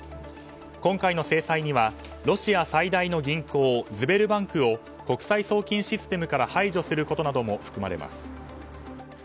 今回の制裁にはロシア最大の銀行ズベルバンクを国際送金システムから排除することなども含まれます。